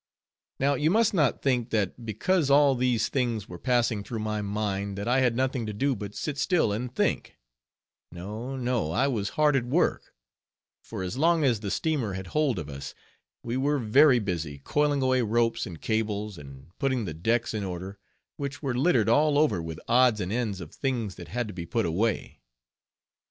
Now you must not think, that because all these things were passing through my mind, that I had nothing to do but sit still and think; no, no, I was hard at work: for as long as the steamer had hold of us, we were very busy coiling away ropes and cables, and putting the decks in order; which were littered all over with odds and ends of things that had to be put away.